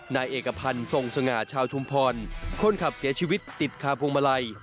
นายเอกพันธ์ทรงสง่าชาวชุมพรคนขับเสียชีวิตติดคาพวงมาลัย